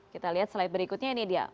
kita lihat slide berikutnya ini dia